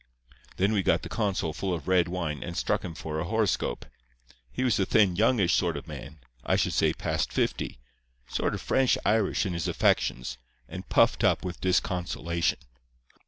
"Then we got the consul full of red wine, and struck him for a horoscope. He was a thin, youngish kind of man, I should say past fifty, sort of French Irish in his affections, and puffed up with disconsolation.